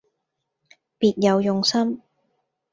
別有用心